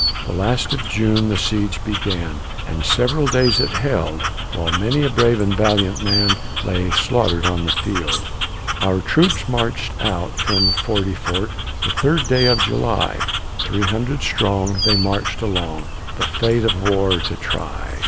The last of June the siege began, And several days it held, While many a brave and valiant man Lay slaughtered on the field. Our troops marched out from Forty Fort The third day of July, Three hundred strong, they marched along, The fate of war to try.